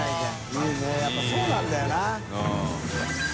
いいねやっぱそうなんだよな。